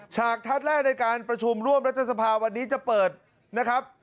ฉากทัศน์แรกในการประชุมร่วมรัฐสภาวันนี้จะเปิดนะครับ